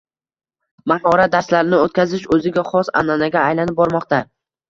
mahorat darslarini o’tkazish o’ziga xos an’anaga aylanib bormoqda